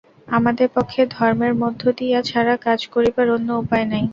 আমাদের পক্ষে ধর্মের মধ্য দিয়া ছাড়া কাজ করিবার অন্য উপায় নাই।